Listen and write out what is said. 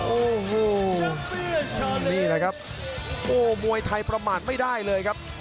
โอ้โหนี่แหละครับโอ้มวยไทยประมาทไม่ได้เลยครับ